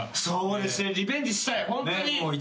そうですねリベンジしたい！